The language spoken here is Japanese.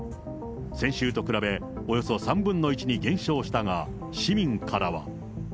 先週と比べ、およそ３分の１に減少したが、市民からは。